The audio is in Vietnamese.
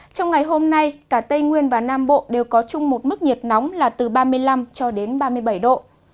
trong ngày hôm nay cả tây nguyên và nam bộ đều có chung một mức nhiệt nóng là từ ba mươi năm cho đến ba mươi bảy độ